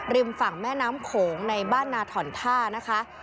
ฝั่งแม่น้ำโขงในบ้านนาถอนท่านะคะ